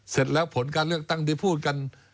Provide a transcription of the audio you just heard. เสร็จแล้วผลการเลือกตั้งที่พูดกัน